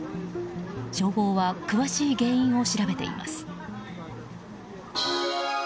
消防は詳しい原因を調べています。